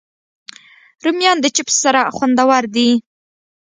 رومیان د چپس سره خوندور دي